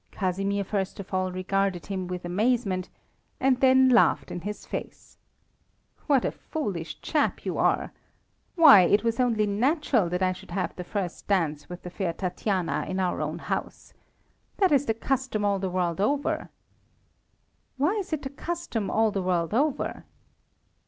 Casimir first of all regarded him with amazement, and then laughed in his face. "What a foolish chap you are! Why, it was only natural that I should have the first dance with the fair Tatiana in our own house. That is the custom all the world over." "Why is it the custom all the world over?"